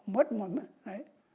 mất một đấy